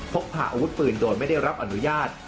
พกพาอาวุธปืนโดยไม่ได้รับอนุญาต